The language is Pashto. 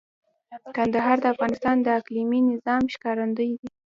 کندهار د افغانستان د اقلیمي نظام ښکارندوی دی.